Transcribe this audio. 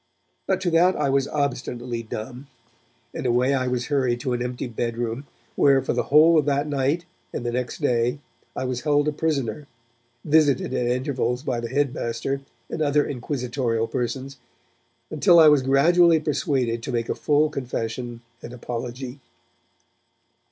but to that I was obstinately dumb; and away I was hurried to an empty bed room, where for the whole of that night and the next day I was held a prisoner, visited at intervals by the headmaster and other inquisitorial persons, until I was gradually persuaded to make a full confession and apology.